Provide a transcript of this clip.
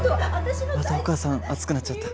またお母さん熱くなっちゃった。